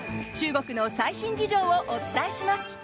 中国の最新事情をお伝えします。